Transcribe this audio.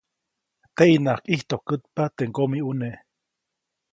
Teʼyinaʼajk ʼijtojkätpa teʼ ŋgomiʼuneʼ.